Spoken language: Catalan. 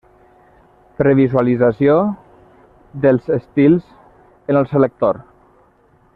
Previsualització dels estils en el selector.